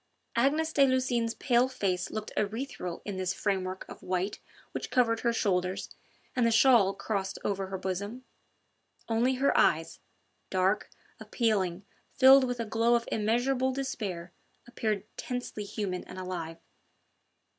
Agnes de Lucines' pale face looked ethereal in this framework of white which covered her shoulders and the shawl crossed over her bosom: only her eyes, dark, appealing, filled with a glow of immeasurable despair, appeared tensely human and alive.